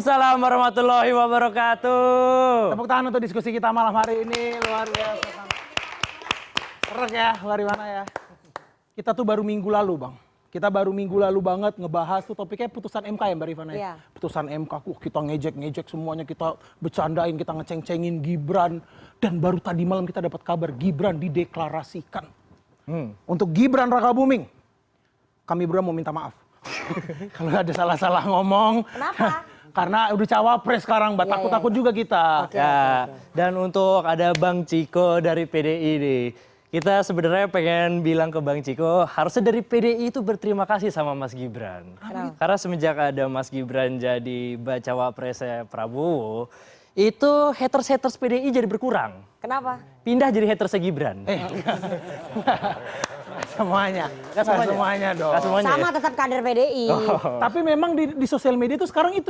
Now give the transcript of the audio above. semuanya semuanya dong sama tetap kader pdi tapi memang di sosial media itu sekarang itu